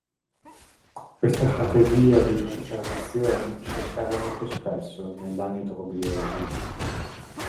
Questa strategia di preservazione si osserva molto spesso nell'anidrobiosi.